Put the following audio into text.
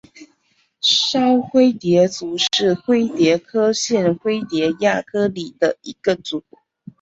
娆灰蝶族是灰蝶科线灰蝶亚科里的一个族。